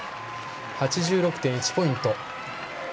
８６．１ポイント。